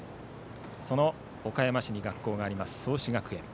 その岡山市に学校があります創志学園。